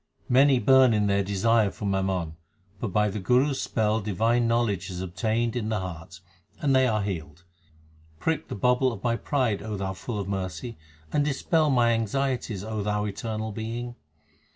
Many burn in their desire for mammon ; but by the Guru s spell divine knowledge is obtained in the heart, and they are healed. Prick the bubble of my pride, O Thou full of mercy, and dispel my anxieties, O Thou Eternal Being.